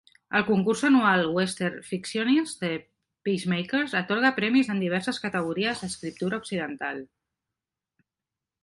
El concurs anual Western Fictioneers de Peacemakers atorga premis en diverses categories d'escriptura occidental.